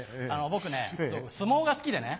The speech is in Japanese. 僕ね相撲が好きでね。